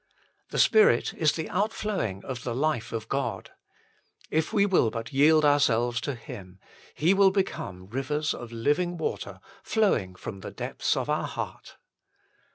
The Spirit is the outflowing of the life of God. If we will but yield ourselves to Him, He will become rivers of living water, flowing from the depths of our heart.